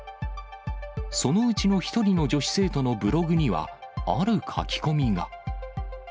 そのうちの１人の女子生徒のブログには、ある書き込みが。